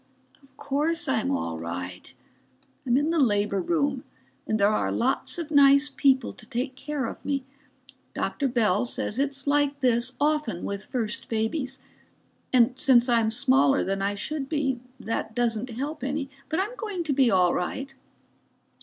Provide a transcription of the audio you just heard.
Of course I'm all right. I'm in the labor room and there are lots of nice people to take care of me. Dr. Bell says it's like this often with first babies. And since I'm smaller than I should be that doesn't help any. But I'm going to be all right."